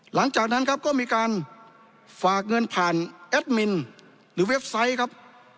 หลังจากนั้นครับก็มีการฝากเงินผ่านแอดมินหรือเว็บไซต์ครับ